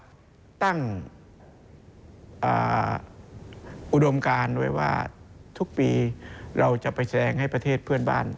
ก็ตั้งอุดมการไว้ว่าทุกปีเราจะไปแสดงให้ประเทศเพื่อนบ้าน